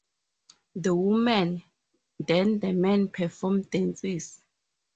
The women, then the men, perform dances.